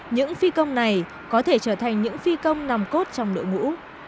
những phi công này có thể trở thành những phi công nằm cốt trong đội ngũ